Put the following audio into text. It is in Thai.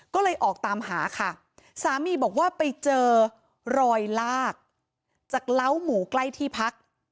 ก็เลยออกตามหาค่ะสามีบอกว่าไปเจอรอยลากจากเล้าหมูใกล้ที่พัก